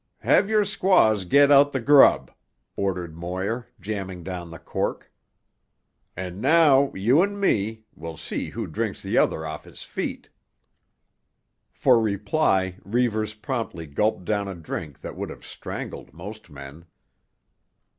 "Have your squaws get out tuh grub," ordered Moir, jamming down the cork. "And now you 'n' me, wilt see who drinks t'other off his feet." For reply Reivers promptly gulped down a drink that would have strangled most men.